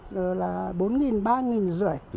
giờ là bốn nghìn ba nghìn rưỡi